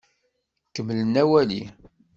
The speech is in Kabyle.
Kemmlem awali!